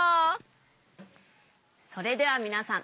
それではみなさん